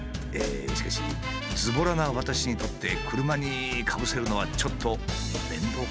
しかしずぼらな私にとって車にかぶせるのはちょっと面倒かな。